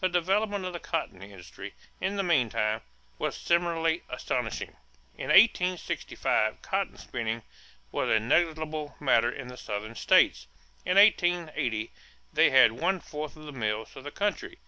The development of the cotton industry, in the meantime, was similarly astounding. In 1865 cotton spinning was a negligible matter in the Southern states. In 1880 they had one fourth of the mills of the country.